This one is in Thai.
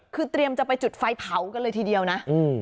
คือเตรียมจะไปจุดไฟเผากันเลยทีเดียวนะ